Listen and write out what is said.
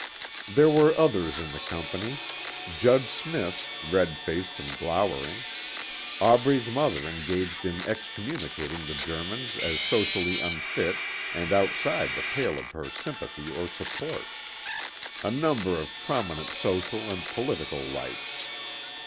There were others in the company Judge Smith, red faced and glowering; Aubrey's mother engaged in excommunicating the Germans as socially unfit and outside the pale of her sympathy or support; a number of prominent social and political lights.